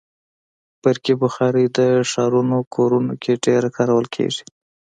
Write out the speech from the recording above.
برقي بخاري د ښارونو کورونو کې ډېره کارول کېږي.